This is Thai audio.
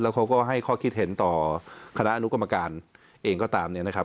เขาก็ให้ข้อคิดเห็นต่อคณะอนุกรรมการเองก็ตามเนี่ยนะครับ